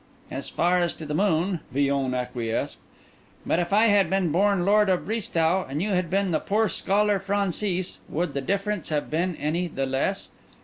"As far as to the moon," Villon acquiesced. "But if I had been born lord of Brisetout, and you had been the poor scholar Francis, would the difference have been any the less?